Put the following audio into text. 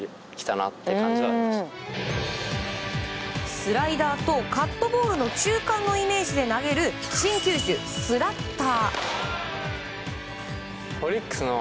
スライダーとカットボールの中間のイメージで投げる新球種、スラッター。